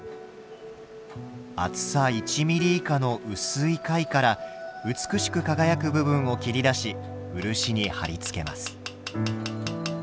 厚さ１ミリ以下の薄い貝から美しく輝く部分を切り出し漆に貼り付けます。